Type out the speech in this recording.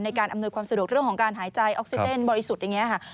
ในการอำนวยความสะดวกเรื่องของการหายใจออกซิเดนท์บริสุทธิ์